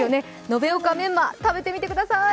延岡メンマ、食べてみてください。